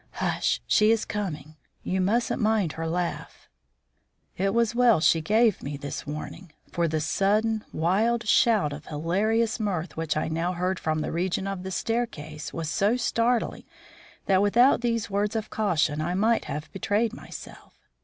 "Hush! she is coming. You mustn't mind her laugh." It was well she gave me this warning, for the sudden wild shout of hilarious mirth which I now heard from the region of the staircase was so startling, that without these words of caution I might have betrayed myself.